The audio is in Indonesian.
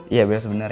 iya bella sebenernya